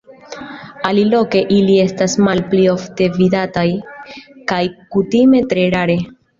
Aliloke ili estas malpli ofte vidataj kaj kutime tre rare.